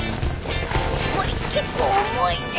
これ結構重いね。